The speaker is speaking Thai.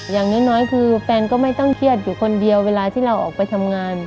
อย่างน้อยคือแฟนก็ไม่ต้องเครียดอยู่คนเดียวเวลาที่เราออกไปทำงาน